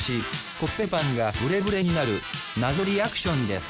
コッペパンがブレブレになる謎リアクションです